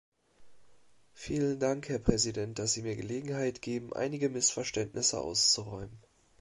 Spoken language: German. Vielen Dank, Herr Präsident, dass Sie mir Gelegenheit geben, einige Missverständnisse auszuräumen.